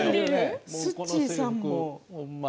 すっちーさんも。